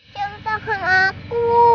jam tangan aku